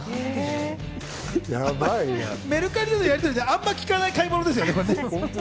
メルカリのやり取りで、あんまり聞かない買い物ですね。